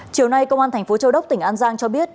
chiều nay công an thành phố châu đốc tỉnh an giang cho biết